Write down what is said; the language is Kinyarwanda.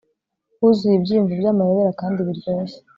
huzuye ibyiyumvo byamayobera kandi biryoshye